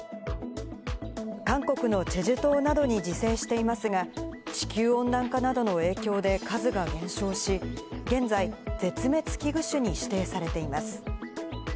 韓国のチェジュ島などに自生していますが、地球温暖化などの影響で数が減少し、現在、絶滅危惧種に指定されています。